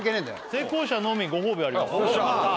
成功者のみご褒美あります